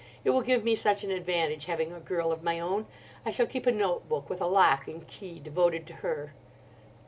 It will give me such an advantage having a girl of my own. I shall keep a note book, with a lock and key, devoted to her.